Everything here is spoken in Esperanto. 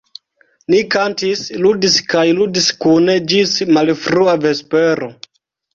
Ni kantis, ludis kaj ludis kune ĝis malfrua vespero.